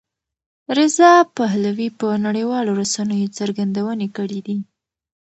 رضا پهلوي په نړیوالو رسنیو څرګندونې کړې دي.